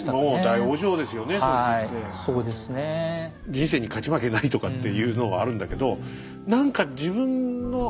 人生に勝ち負けないとかっていうのはあるんだけどっていう感じが何かしますね。